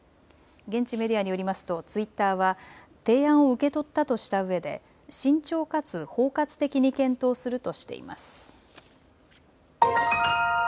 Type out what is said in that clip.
現地メディアによりますとツイッターは提案を受け取ったとしたうえで慎重かつ包括的に検討するとしています。